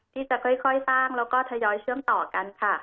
ที่จะค่อยสร้างแล้วก็ทยอยเชื่อมต่อกันค่ะ